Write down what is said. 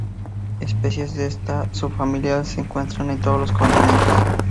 Especies de esta subfamilia se encuentran en todos los continentes.